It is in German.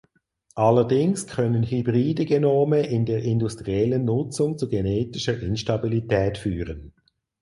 Allerdings können hybride Genome in der industriellen Nutzung zu genetischer Instabilität führen.